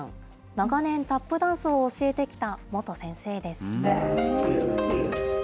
長年、タップダンスを教えてきた元先生です。